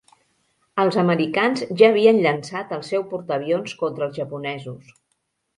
Els americans ja havien llançat el seu portaavions contra els japonesos.